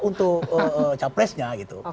untuk capresnya gitu